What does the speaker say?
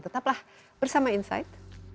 tetaplah bersama insight